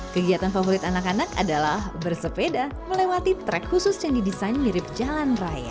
kegiatan favorit anak anak adalah bersepeda melewati trek khusus yang didesain mirip jalan raya